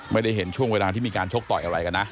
ไม่ได้เห็นช่วงเวลาที่มีการชกต่อยอะไรกันนะ